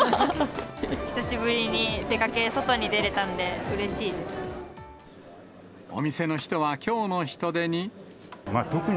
久しぶりに出かけて外に出れお店の人はきょうの人出に。